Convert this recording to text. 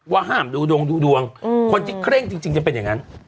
ว่าห้ามดูดวงคนเคร่งจริงจะเป็นอย่างนั้น